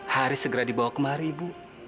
haris segera dibawa kemari ibu